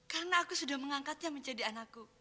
karena aku sudah mengangkatnya menjadi anakku